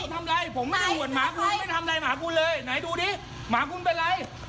ผมทำอะไรผมไม่ได้หวนหมาคุณไม่ทำอะไรหมาคุณเลยไหนดูดิหมาคุณเป็นไร